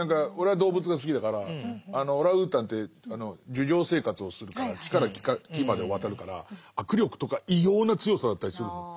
俺は動物が好きだからオランウータンって樹上生活をするから木から木までを渡るから握力とか異様な強さだったりするの。